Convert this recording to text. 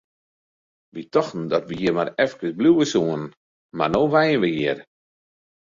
Wy tochten dat we hjir mar efkes bliuwe soene, mar no wenje we hjir!